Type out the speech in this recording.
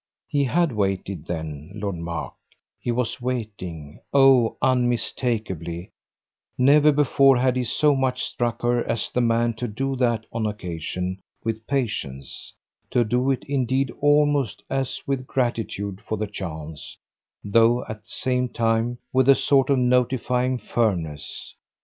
He had waited then, Lord Mark, he was waiting oh unmistakeably; never before had he so much struck her as the man to do that on occasion with patience, to do it indeed almost as with gratitude for the chance, though at the same time with a sort of notifying firmness.